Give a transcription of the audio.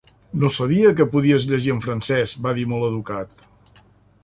"No sabia que podies llegir en francès", va dir molt educat.